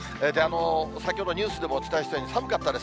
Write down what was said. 先ほどニュースでもお伝えしたように、寒かったです。